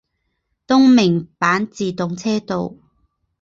东名阪自动车道。